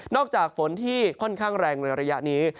จากฝนที่ค่อนข้างแรงในระยะนี้